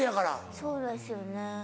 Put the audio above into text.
そうですよね。